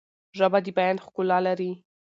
ژبه د بیان ښکلا لري.